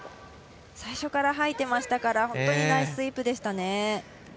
最初からはいてましたからナイスースイープでしたね。